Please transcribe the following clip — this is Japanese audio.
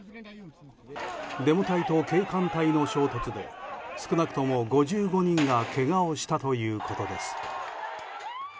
デモ隊と警官隊の衝突で少なくとも５５人がけがをしたということです。